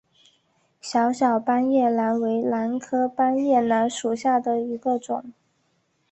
小小斑叶兰为兰科斑叶兰属下的一个种。